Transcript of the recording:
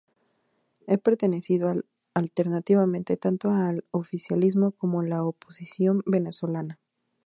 Ha pertenecido alternativamente tanto al oficialismo como a la oposición venezolana.